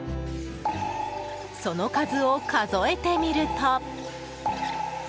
その数を数えてみると。